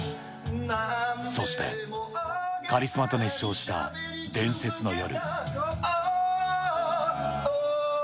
そして、カリスマと熱唱した伝説の夜。